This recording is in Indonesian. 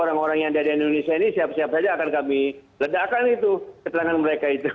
pengen dada indonesia ini siapa siapa saja akan kami ledakan itu keterangan mereka itu